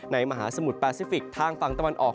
มหาสมุทรแปซิฟิกทางฝั่งตะวันออก